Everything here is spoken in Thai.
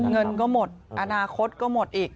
เงินก็หมดอนาคตก็หมดอีก